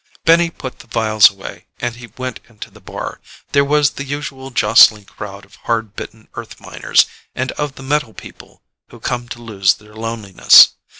Benny put the vials away and he went into the bar. There was the usual jostling crowd of hard bitten Earth miners, and of the metal people who come to lose their loneliness.